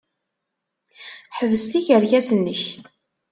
Ḥbes tikerkas-nnek!